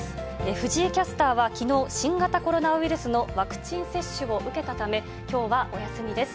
藤井キャスターはきのう、新型コロナウイルスのワクチン接種を受けたため、きょうはお休みです。